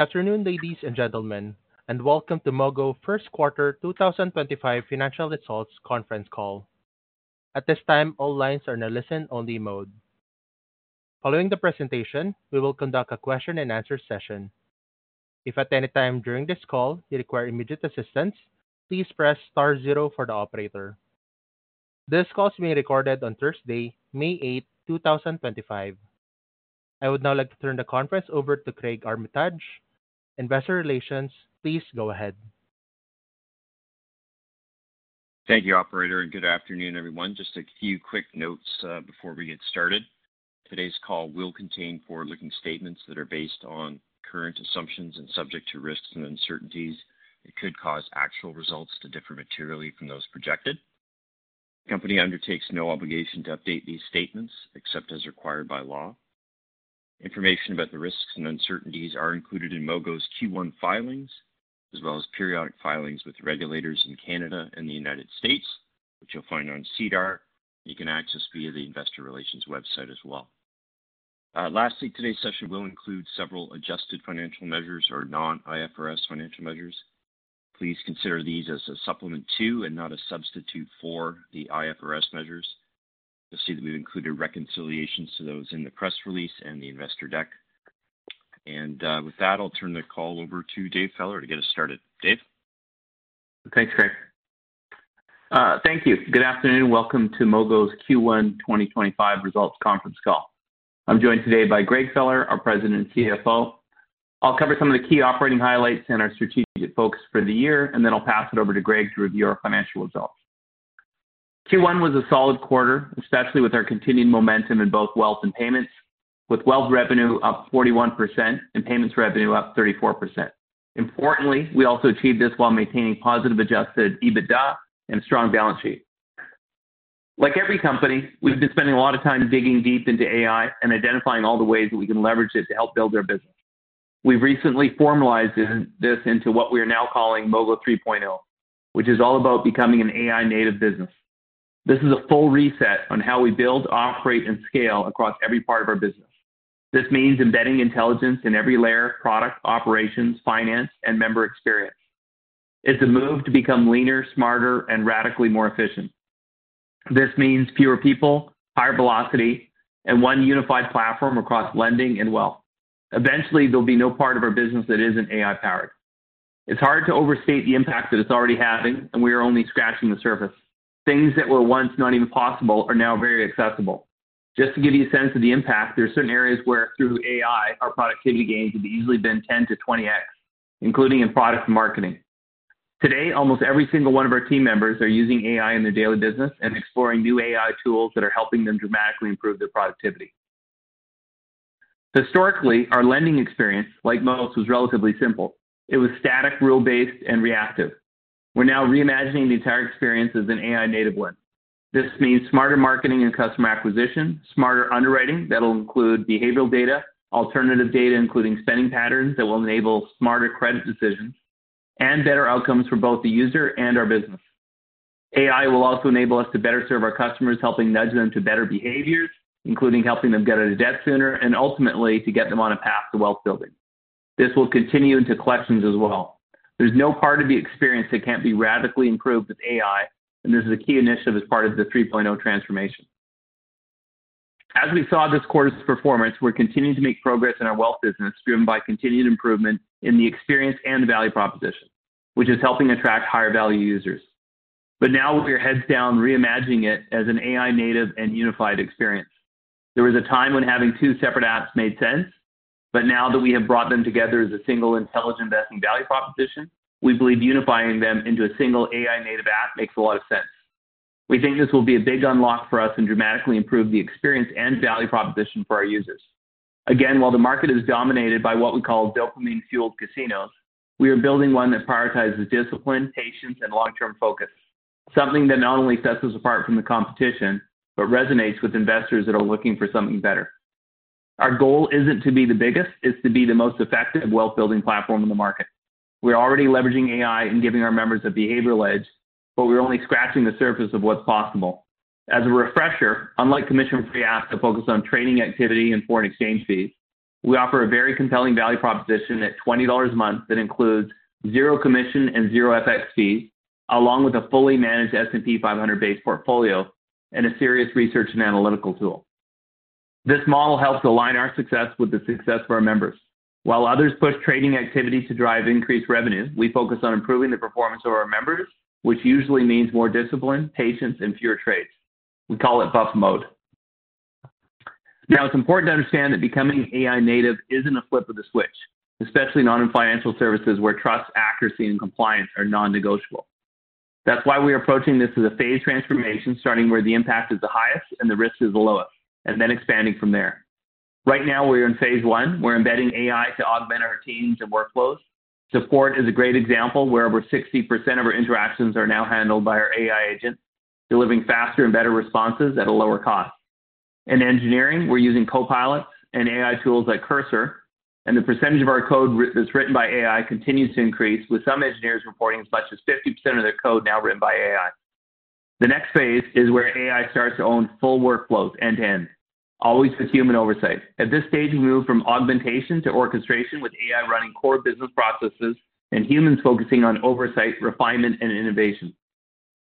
Good afternoon, ladies and gentlemen, and welcome to Mogo Q2 2025 Financial Results Conference Call. At this time, all lines are in a listen-only mode. Following the presentation, we will conduct a question-and-answer session. If at any time during this call you require immediate assistance, please press star zero for the operator. This call is being recorded on Thursday, May 8, 2025. I would now like to turn the conference over to Craig Armitage. Investor Relations, please go ahead. Thank you, Operator, and good afternoon, everyone. Just a few quick notes before we get started. Today's call will contain forward-looking statements that are based on current assumptions and subject to risks and uncertainties that could cause actual results to differ materially from those projected. The company undertakes no obligation to update these statements except as required by law. Information about the risks and uncertainties are included in Mogo's Q1 filings, as well as periodic filings with regulators in Canada and the United States, which you'll find on CDAR. You can access via the Investor Relations website as well. Lastly, today's session will include several adjusted financial measures or non-IFRS financial measures. Please consider these as a supplement to and not a substitute for the IFRS measures. You'll see that we've included reconciliations to those in the press release and the investor deck. With that, I'll turn the call over to Dave Feller to get us started. Dave? Thanks, Craig. Thank you. Good afternoon. Welcome to Mogo's Q1 2025 Results Conference Call. I'm joined today by Greg Feller, our President and CFO. I'll cover some of the key operating highlights and our strategic focus for the year, and then I'll pass it over to Greg to review our financial results. Q1 was a solid quarter, especially with our continued momentum in both wealth and payments, with wealth revenue up 41% and payments revenue up 34%. Importantly, we also achieved this while maintaining positive adjusted EBITDA and a strong balance sheet. Like every company, we've been spending a lot of time digging deep into AI and identifying all the ways that we can leverage it to help build our business. We've recently formalized this into what we are now calling Mogo 3.0, which is all about becoming an AI-native business. This is a full reset on how we build, operate, and scale across every part of our business. This means embedding intelligence in every layer: product, operations, finance, and member experience. It's a move to become leaner, smarter, and radically more efficient. This means fewer people, higher velocity, and one unified platform across lending and wealth. Eventually, there'll be no part of our business that isn't AI-powered. It's hard to overstate the impact that it's already having, and we are only scratching the surface. Things that were once not even possible are now very accessible. Just to give you a sense of the impact, there are certain areas where, through AI, our productivity gains have easily been 10x-20x, including in product and marketing. Today, almost every single one of our team members is using AI in their daily business and exploring new AI tools that are helping them dramatically improve their productivity. Historically, our lending experience, like most, was relatively simple. It was static, rule-based, and reactive. We're now reimagining the entire experience as an AI-native one. This means smarter marketing and customer acquisition, smarter underwriting that'll include behavioral data, alternative data including spending patterns that will enable smarter credit decisions, and better outcomes for both the user and our business. AI will also enable us to better serve our customers, helping nudge them to better behaviors, including helping them get out of debt sooner and ultimately to get them on a path to wealth building. This will continue into collections as well. There's no part of the experience that can't be radically improved with AI, and this is a key initiative as part of the 3.0 transformation. As we saw this quarter's performance, we're continuing to make progress in our wealth business, driven by continued improvement in the experience and value proposition, which is helping attract higher-value users. Now we're heads down, reimagining it as an AI-native and unified experience. There was a time when having two separate apps made sense, but now that we have brought them together as a single intelligent investing value proposition, we believe unifying them into a single AI-native app makes a lot of sense. We think this will be a big unlock for us and dramatically improve the experience and value proposition for our users. Again, while the market is dominated by what we call dopamine-fueled casinos, we are building one that prioritizes discipline, patience, and long-term focus, something that not only sets us apart from the competition but resonates with investors that are looking for something better. Our goal isn't to be the biggest; it's to be the most effective wealth-building platform in the market. We're already leveraging AI and giving our members a behavioral edge, but we're only scratching the surface of what's possible. As a refresher, unlike commission-free apps that focus on trading activity and foreign exchange fees, we offer a very compelling value proposition at $20 a month that includes zero commission and zero FX fees, along with a fully managed S&P 500-based portfolio and a serious research and analytical tool. This model helps align our success with the success of our members. While others push trading activity to drive increased revenue, we focus on improving the performance of our members, which usually means more discipline, patience, and fewer trades. We call it Buff Mode. Now, it's important to understand that becoming AI-native isn't a flip of the switch, especially not in financial services where trust, accuracy, and compliance are non-negotiable. That's why we're approaching this as a phased transformation, starting where the impact is the highest and the risk is the lowest, and then expanding from there. Right now, we're in phase one. We're embedding AI to augment our teams and workflows. Support is a great example, where over 60% of our interactions are now handled by our AI agent, delivering faster and better responses at a lower cost. In engineering, we're using Copilot and AI tools like Cursor, and the percentage of our code that's written by AI continues to increase, with some engineers reporting as much as 50% of their code now written by AI. The next phase is where AI starts to own full workflows end-to-end, always with human oversight. At this stage, we move from augmentation to orchestration, with AI running core business processes and humans focusing on oversight, refinement, and innovation.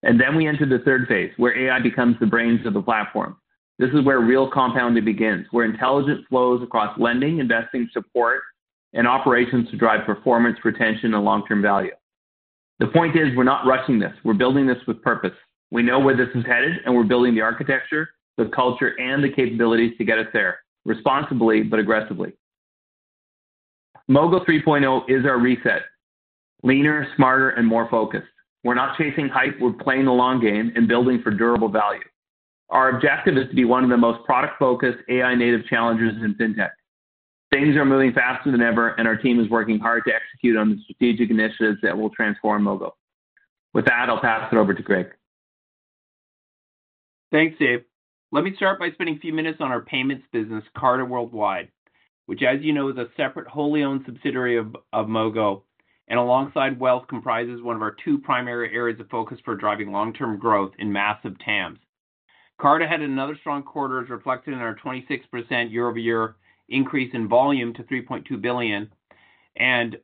We enter the third phase, where AI becomes the brains of the platform. This is where real compounding begins, where intelligence flows across lending, investing support, and operations to drive performance, retention, and long-term value. The point is, we're not rushing this. We're building this with purpose. We know where this is headed, and we're building the architecture, the culture, and the capabilities to get us there responsibly but aggressively. Mogo 3.0 is our reset: leaner, smarter, and more focused. We're not chasing hype; we're playing the long game and building for durable value. Our objective is to be one of the most product-focused AI-native challengers in fintech. Things are moving faster than ever, and our team is working hard to execute on the strategic initiatives that will transform Mogo. With that, I'll pass it over to Greg. Thanks, Dave. Let me start by spending a few minutes on our payments business, Carta Worldwide, which, as you know, is a separate wholly owned subsidiary of Mogo, and alongside wealth, comprises one of our two primary areas of focus for driving long-term growth in massive TAMs. Carta had another strong quarter, as reflected in our 26% year-over-year increase in volume to $3.2 billion, and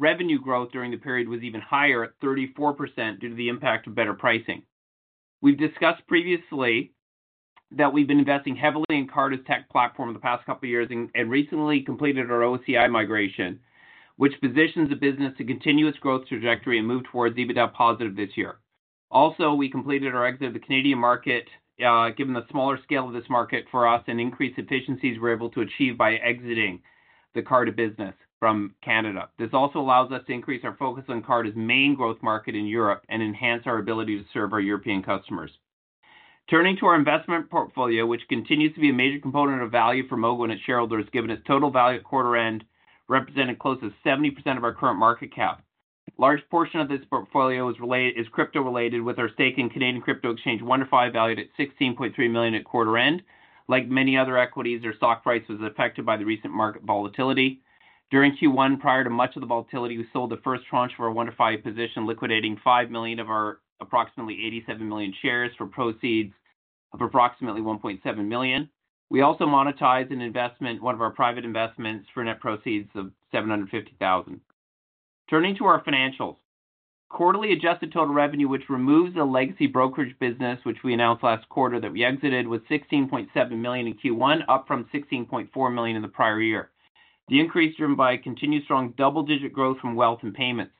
revenue growth during the period was even higher at 34% due to the impact of better pricing. We've discussed previously that we've been investing heavily in Carta's tech platform in the past couple of years and recently completed our OCI migration, which positions the business in a continuous growth trajectory and moves towards EBITDA positive this year. Also, we completed our exit of the Canadian market, given the smaller scale of this market for us and increased efficiencies we're able to achieve by exiting the Carta Worldwide business from Canada. This also allows us to increase our focus on Carta Worldwide's main growth market in Europe and enhance our ability to serve our European customers. Turning to our investment portfolio, which continues to be a major component of value for Mogo and its shareholders, given its total value at quarter-end represented close to 70% of our current market cap. A large portion of this portfolio is crypto-related, with our stake in Canadian crypto exchange WonderFi valued at $16.3 million at quarter-end. Like many other equities, our stock price was affected by the recent market volatility. During Q1, prior to much of the volatility, we sold the first tranche of our 105 position, liquidating $5 million of our approximately 87 million shares for proceeds of approximately $1.7 million. We also monetized an investment, one of our private investments, for net proceeds of $750,000. Turning to our financials, quarterly adjusted total revenue, which removes the legacy brokerage business, which we announced last quarter that we exited, was $16.7 million in Q1, up from $16.4 million in the prior year. The increase was driven by continued strong double-digit growth from wealth and payments,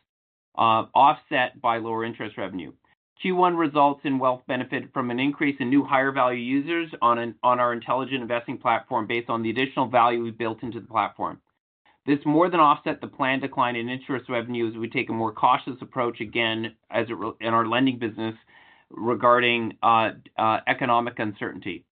offset by lower interest revenue. Q1 results in wealth benefit from an increase in new higher-value users on our Intelligent Investing platform based on the additional value we've built into the platform. This more than offsets the planned decline in interest revenue, as we take a more cautious approach again in our lending business regarding economic uncertainty.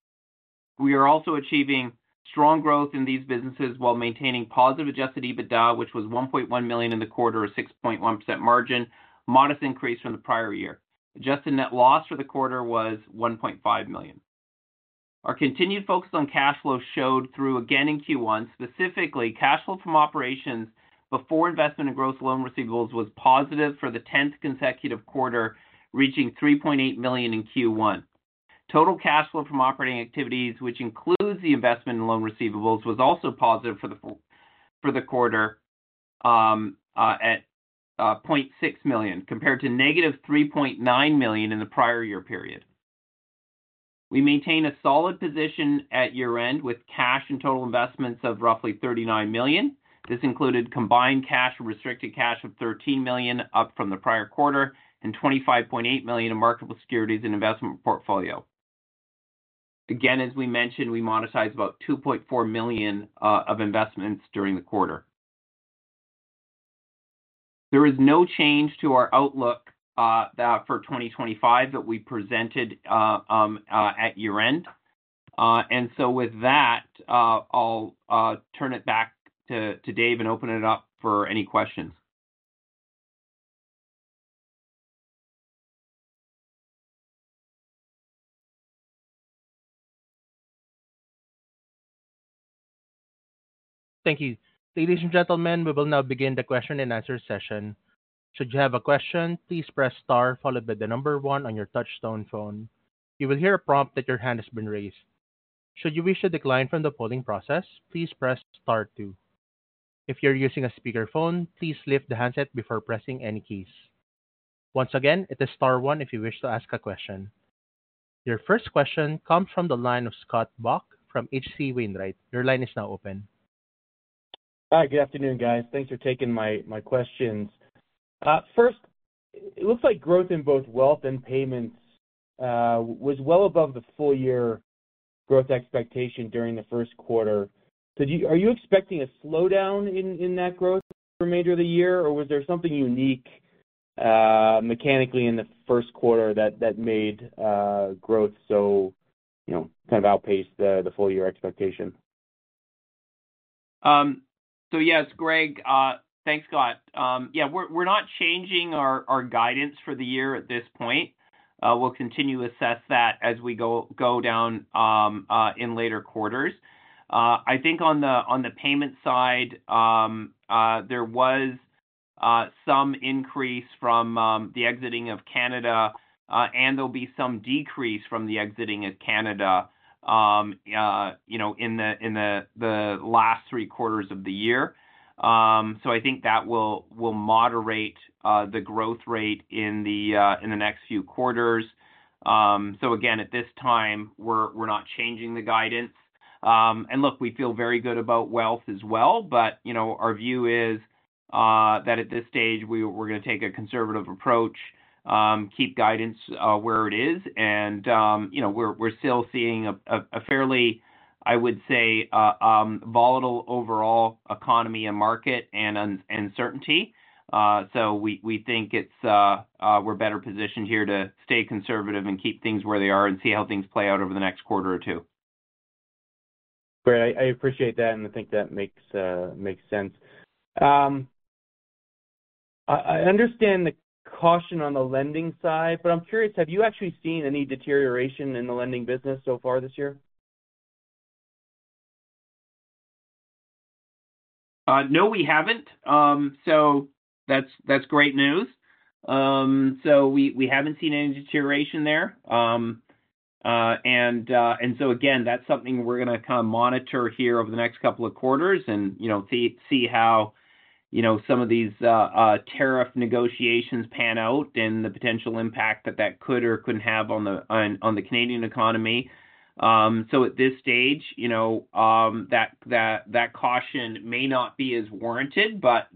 We are also achieving strong growth in these businesses while maintaining positive adjusted EBITDA, which was $1.1 million in the quarter, a 6.1% margin, a modest increase from the prior year. Adjusted net loss for the quarter was $1.5 million. Our continued focus on cash flow showed through again in Q1. Specifically, cash flow from operations before investment in gross loan receivables was positive for the 10th consecutive quarter, reaching $3.8 million in Q1. Total cash flow from operating activities, which includes the investment in loan receivables, was also positive for the quarter at $0.6 million, compared to -$3.9 million in the prior year period. We maintain a solid position at year-end with cash and total investments of roughly $39 million. This included combined cash and restricted cash of $13 million, up from the prior quarter, and $25.8 million in marketable securities in investment portfolio. Again, as we mentioned, we monetized about $2.4 million of investments during the quarter. There is no change to our outlook for 2025 that we presented at year-end. With that, I'll turn it back to Dave and open it up for any questions. Thank you. Ladies and gentlemen, we will now begin the question-and-answer session. Should you have a question, please press star, followed by the number one on your touch-tone phone. You will hear a prompt that your hand has been raised. Should you wish to decline from the polling process, please press star two. If you're using a speakerphone, please lift the handset before pressing any keys. Once again, it is Star 1 if you wish to ask a question. Your first question comes from the line of Scott Buck from HC Wainwright. Your line is now open. Hi, good afternoon, guys. Thanks for taking my questions. First, it looks like growth in both wealth and payments was well above the full-year growth expectation during the first quarter. Are you expecting a slowdown in that growth for the remainder of the year, or was there something unique mechanically in the first quarter that made growth so kind of outpace the full-year expectation? Yes, Greg, thanks, Scott. Yeah, we're not changing our guidance for the year at this point. We'll continue to assess that as we go down in later quarters. I think on the payment side, there was some increase from the exiting of Canada, and there'll be some decrease from the exiting of Canada in the last three quarters of the year. I think that will moderate the growth rate in the next few quarters. Again, at this time, we're not changing the guidance. Look, we feel very good about wealth as well, but our view is that at this stage, we're going to take a conservative approach, keep guidance where it is. We're still seeing a fairly, I would say, volatile overall economy and market and uncertainty. We think we're better positioned here to stay conservative and keep things where they are and see how things play out over the next quarter or two. Great. I appreciate that, and I think that makes sense. I understand the caution on the lending side, but I'm curious, have you actually seen any deterioration in the lending business so far this year? No, we haven't. That's great news. We haven't seen any deterioration there. Again, that's something we're going to kind of monitor here over the next couple of quarters and see how some of these tariff negotiations pan out and the potential impact that that could or couldn't have on the Canadian economy. At this stage, that caution may not be as warranted, but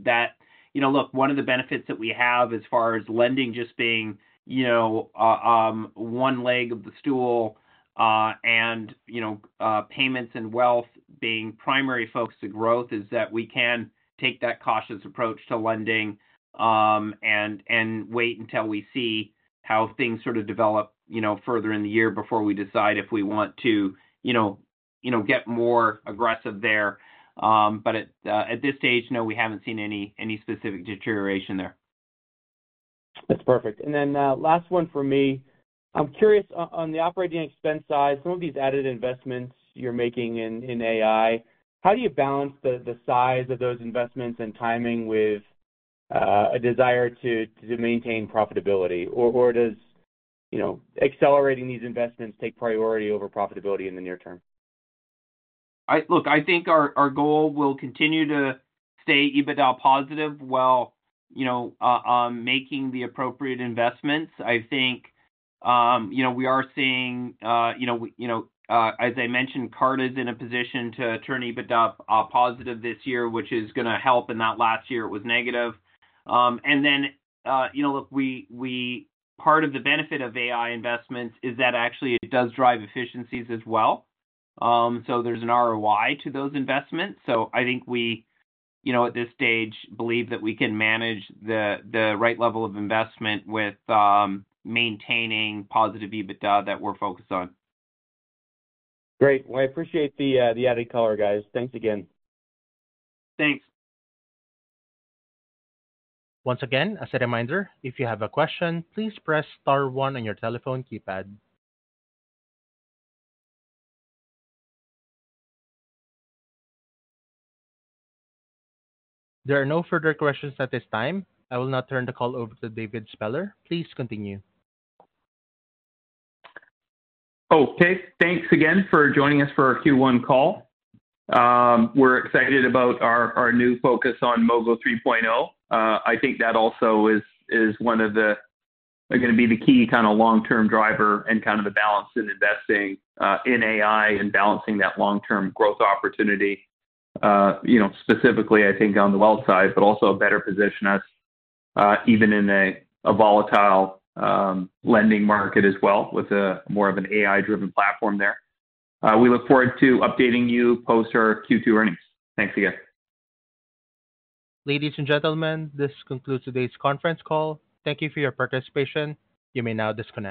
look, one of the benefits that we have as far as lending just being one leg of the stool and payments and wealth being primary focus of growth is that we can take that cautious approach to lending and wait until we see how things sort of develop further in the year before we decide if we want to get more aggressive there. At this stage, no, we haven't seen any specific deterioration there. That's perfect. Then last one for me. I'm curious, on the operating expense side, some of these added investments you're making in AI, how do you balance the size of those investments and timing with a desire to maintain profitability, or does accelerating these investments take priority over profitability in the near term? Look, I think our goal will continue to stay EBITDA positive while making the appropriate investments. I think we are seeing, as I mentioned, Carta is in a position to turn EBITDA positive this year, which is going to help, and that last year it was negative. Part of the benefit of AI investments is that actually it does drive efficiencies as well. There is an ROI to those investments. I think we, at this stage, believe that we can manage the right level of investment with maintaining positive EBITDA that we're focused on. Great. I appreciate the added color, guys. Thanks again. Thanks. Once again, as a reminder, if you have a question, please press star one on your telephone keypad. There are no further questions at this time. I will now turn the call over to David Feller. Please continue. Okay. Thanks again for joining us for our Q1 call. We're excited about our new focus on Mogo 3.0. I think that also is one of the going to be the key kind of long-term driver and kind of the balance in investing in AI and balancing that long-term growth opportunity, specifically, I think, on the wealth side, but also a better position us even in a volatile lending market as well with more of an AI-driven platform there. We look forward to updating you post our Q2 earnings. Thanks again. Ladies and gentlemen, this concludes today's conference call. Thank you for your participation. You may now disconnect.